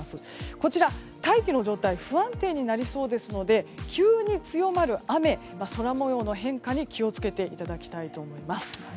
こちら、大気の状態が不安定になりそうですので急に強まる雨、空模様の変化に気を付けていただきたいと思います。